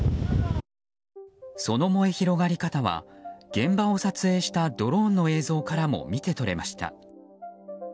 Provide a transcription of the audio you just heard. その燃え広がり方は現場を撮影したドローンの映像からも見て取れました。